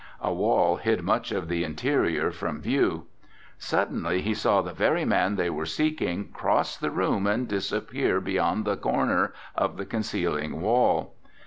A wall hid much of the interior from view. Suddenly he saw the very man they were seeking cross the room and disappear beyond the corner of the concealing wall.